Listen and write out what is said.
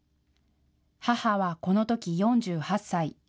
母はこのとき４８歳。